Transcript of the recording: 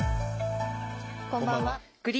こんばんは。